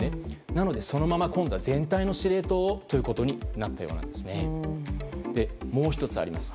なので、そのまま今度は全体の司令塔をということになったようです。